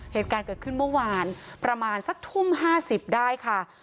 เหตุการณ์เกิดขึ้นเมื่อวานประมาณสักทุ่ม๕๐ได้ค่ะ